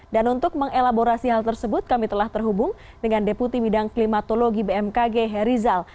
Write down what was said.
dan untuk mengelaborasi hal tersebut kami telah terhubung dengan deputi bidang klimatologi bmkg herizal